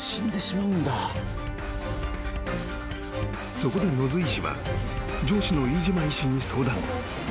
☎☎［そこで野津医師は上司の飯島医師に相談］